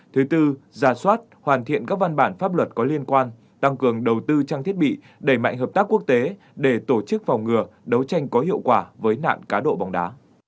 thứ tư giả soát hoàn thiện các văn bản pháp luật có liên quan tăng cường đầu tư trang thiết bị đẩy mạnh hợp tác quốc tế để tổ chức phòng ngừa đấu tranh có hiệu quả với nạn cá độ bóng đá